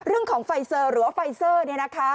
เรื่องของไฟเซอร์หรือว่าไฟเซอร์เนี่ยนะคะ